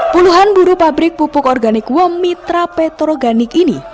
puluhan buru pabrik pupuk organik wom mitra petroganik ini